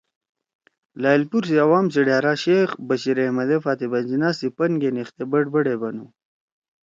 لائلپور سی عوام سی ڈھأرا شیخ بشیراحمد ئے فاطمہ جناح سی پن گے نیِختے بڑبڑ ئے بنُو۔